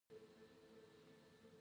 د نورو امتونو کې نقش نه پوهېدل